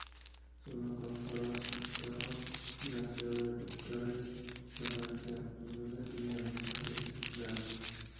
Son acusadas de estafa, blanqueo de capitales, insolvencia punible y administración desleal.